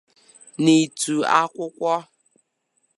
n'ịtụ akwụkwọ.